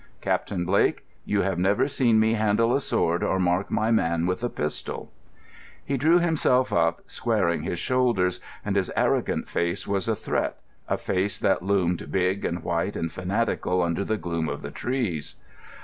"Captain Blake, you have never seen me handle a sword or mark my man with a pistol." He drew himself up, squaring his shoulders; and his arrogant face was a threat, a face that loomed big and white and fanatical under the gloom of the trees.